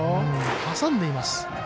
挟んでいます。